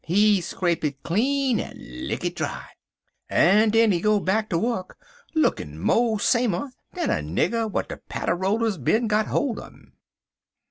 He scrape it clean en lick it dry, en den he go back ter wuk lookin' mo' samer dan a nigger w'at de patter rollers bin had holt un.